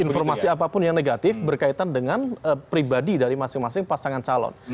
informasi apapun yang negatif berkaitan dengan pribadi dari masing masing pasangan calon